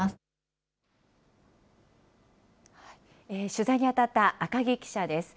取材に当たった赤木記者です。